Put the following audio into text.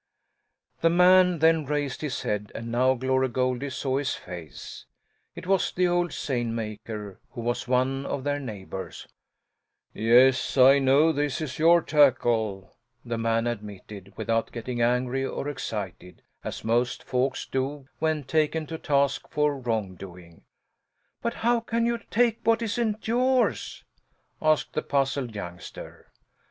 The man then raised his head, and now Glory Goldie saw his face. It was the old seine maker, who was one of their neighbours. "Yes, I know this is your tackle," the man admitted, without getting angry or excited, as most folks do when taken to task for wrongdoing. "But how can you take what isn't yours?" asked the puzzled youngster.